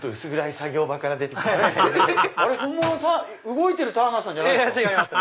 動いてるターナーさんですか？